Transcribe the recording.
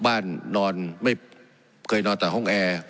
บ้านนอนไม่ผมเคยนอนก็แต่ห้องแอ